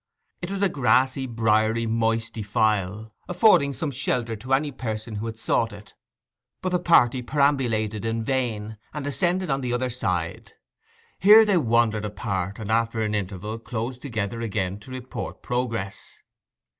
It was a grassy, briery, moist defile, affording some shelter to any person who had sought it; but the party perambulated it in vain, and ascended on the other side. Here they wandered apart, and after an interval closed together again to report progress.